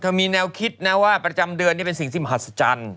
มีแนวคิดนะว่าประจำเดือนนี่เป็นสิ่งที่มหัศจรรย์